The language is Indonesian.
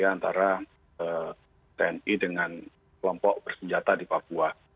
antara tni dengan kelompok bersenjata di papua